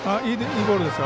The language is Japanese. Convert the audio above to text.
いいボールですよ。